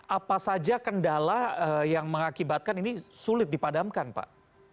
apa saja kendala yang mengakibatkan ini sulit dipadamkan pak